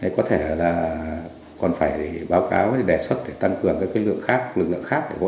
có thể còn phải báo cáo đề xuất để tăng cường các lực lượng khác để hỗ trợ